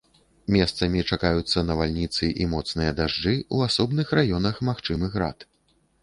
Месцамі чакаюцца навальніцы і моцныя дажджы, у асобных раёнах магчымы град.